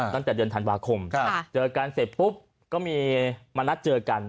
ตั้งแต่เดือนธันวาคมเจอกันเสร็จปุ๊บก็มีมานัดเจอกัน